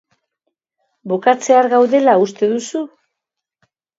Bukatzear gaudela uste duzu?